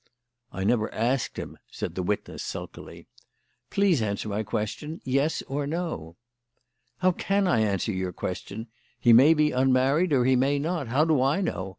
"I never asked him," said the witness sulkily. "Please answer my question yes or no?" "How can I answer your question? He may be unmarried or he may not. How do I know?